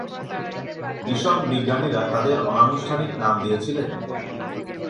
Mission বিজ্ঞানীরা তাদের অনানুষ্ঠানিক নাম দিয়েছিলেন।